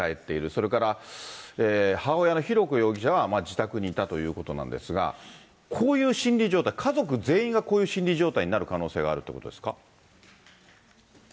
それから母親の浩子容疑者は自宅にいたということなんですが、こういう心理状態、家族全員がこういう心理状態になる可能性があるってことですか。